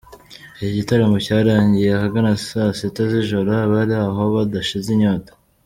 Iki gitaramo cyarangiye ahagana isaa sita z’ijoro abari aho badashize inyota.